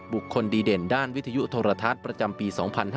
บุคคลดีเด่นด้านวิทยุโทรทัศน์ประจำปี๒๕๕๙